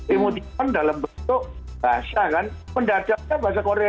emoticon dalam bentuk bahasa kan pendatangnya bahasa korea